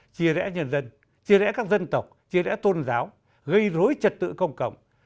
chia rẽ nhân dân chia rẽ các dân tộc chia rẽ tôn giáo gây rối trật tự công cộng